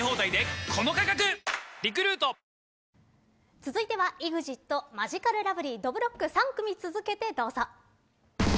続いては、ＥＸＩＴマヂカルラブリー、どぶろっく３組続けてどうぞ。